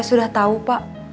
ami sudah tanya